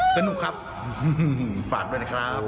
สนุกครับฝากด้วยนะครับ